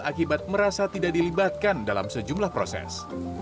akibat merasa tidak dilibatkan dalam sejumlah proses